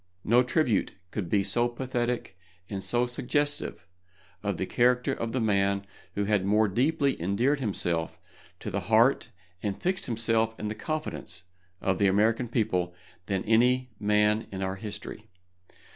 No tribute could be so pathetic and so suggestive of the character of the man who had more deeply endeared himself to the heart and fixed himself in the confidence of the American people than any man in our history.